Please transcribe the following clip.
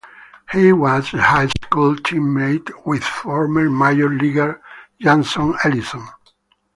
He was a high school teammate with former Major Leaguer Jason Ellison.